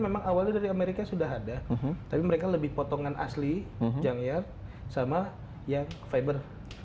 memang awalnya dari amerika sudah ada tapi mereka lebih potongan asli jang ya sama yang fiber